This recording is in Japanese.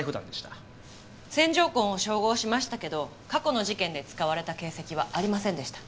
線条痕を照合しましたけど過去の事件で使われた形跡はありませんでした。